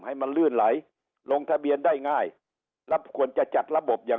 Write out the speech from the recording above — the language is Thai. ให้มันลื่นไหลลงทะเบียนได้ง่ายแล้วควรจะจัดระบบอย่าง